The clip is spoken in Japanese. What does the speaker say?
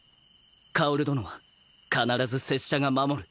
薫殿は必ず拙者が守る。